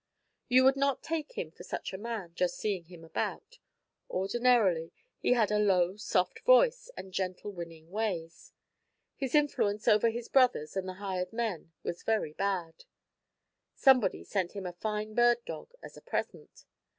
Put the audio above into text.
You would not take him for such a man, just seeing him about. Ordinarily he had a low, soft voice, and gentle winning ways. His influence over his brothers and the hired men was very bad. Somebody sent him a fine bird dog, as a present.